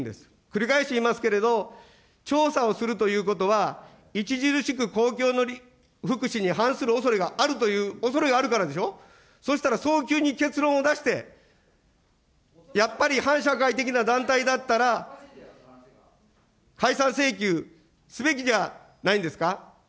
繰り返して言いますけれども、調査をするということは、著しく恒久の福祉に反するおそれがあるというおそれがあるからでしょう、そしたら早急に結論を出して、やっぱり反社会的な団体だったら、解散請求すべきではないんですか。